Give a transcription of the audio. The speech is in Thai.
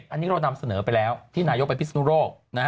อันนี้เรานำเสนอไปแล้วที่นายกไปพิศนุโลก